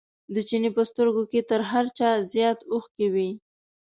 د چیني په سترګو کې تر هر چا زیات اوښکې وې.